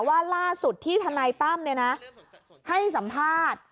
ว่าล่าสุดที่ธนัยตั้มเนี่ยนะให้สัมภาษณ์